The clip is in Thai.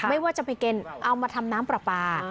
ไม่ว่าจะไปกินเอามาทำน้ำปลาปลา